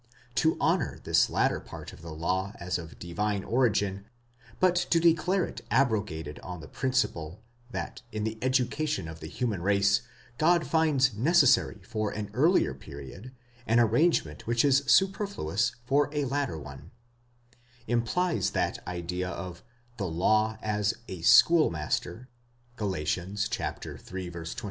To honour this latter part of the law as of Divine origin, but to declare it abrogated on the principle, that in the education of the human race, God finds necessary for an earlier period an arrangement which is superfluous for a later one, implies that idea of the law as a schoolmaster, νόμος παιδαγωγὸς (Gal. iii.